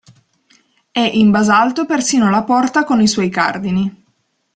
È in basalto persino la porta con i suoi cardini.